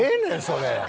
それ。